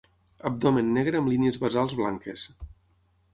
Abdomen negre amb línies basals blanques.